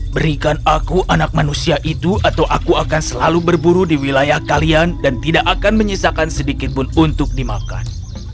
berikan aku anak manusia itu atau aku akan selalu berburu di wilayah kalian dan tidak akan menyisakan sedikitpun untuk dimakan